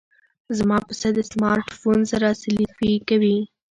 زما پسه د سمارټ فون سره سیلفي کوي.